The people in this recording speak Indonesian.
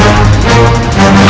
aku akan menang